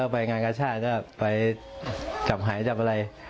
ไปงานกาชาติก็ไปจับหายจับอะไร